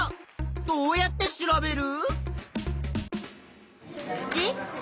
どうやって調べる？